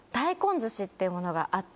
っていうものがあって。